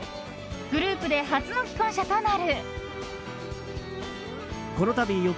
グループで初の既婚者となる。